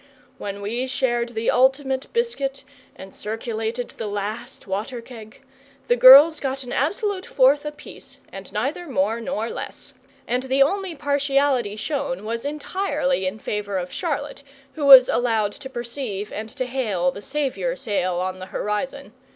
When we shared the ultimate biscuit and circulated the last water keg, the girls got an absolute fourth apiece, and neither more nor less; and the only partiality shown was entirely in favour of Charlotte, who was allowed to perceive and to hail the saviour sail on the horizon.